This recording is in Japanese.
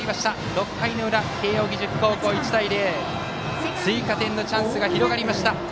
６回の裏、慶応義塾高校１対０、追加点のチャンスが広がりました。